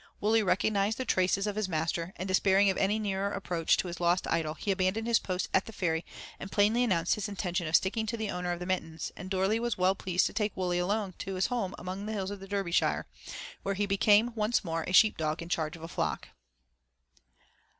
Wully recognized the traces of his master, and despairing of any nearer approach to his lost idol, he abandoned his post at the ferry and plainly announced his intention of sticking to the owner of the mittens, and Dorley was well pleased to take Wully along to his home among the hills of Derbyshire, where he became once more a sheep dog in charge of a flock.